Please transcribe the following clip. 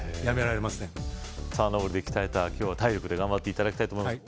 沢登りで鍛えた今日は体力で頑張って頂きたいと思います